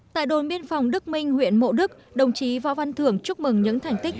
tại đồi miên phòng đức minh huyện mộ đức đồng chí võ văn thưởng chúc mừng những thành tích